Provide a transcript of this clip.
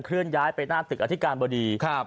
เลื่อนย้ายไปหน้าตึกอธิการบดีครับ